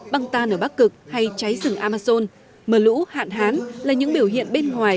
băng tan ở bắc cực hay cháy rừng amazon mờ lũ hạn hán là những biểu hiện bên ngoài